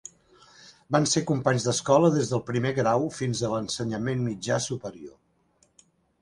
Van ser companys d'escola des del primer grau fins a l'ensenyament mitjà superior.